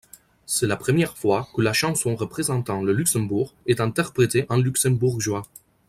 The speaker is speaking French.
C'est la première fois que la chanson représentant le Luxembourg est interprétée en luxembourgeois.